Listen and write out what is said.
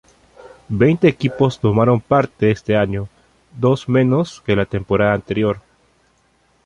Veinte equipos tomaron parte este año, dos menos que la temporada anterior.